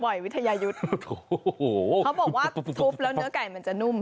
บ่ายวิทยายุทธ์เขาบอกว่าทูบแล้วเนื้อไก่จะนุ่ม